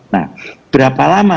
nah berapa lama